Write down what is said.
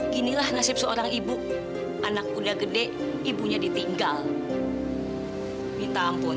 ginilah nasib seorang ibu anak muda gede ibunya ditinggal ditampung